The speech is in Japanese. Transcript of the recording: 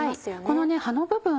この葉の部分